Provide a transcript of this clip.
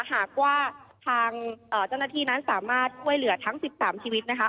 หากว่าทางเจ้าหน้าที่นั้นสามารถช่วยเหลือทั้ง๑๓ชีวิตนะคะ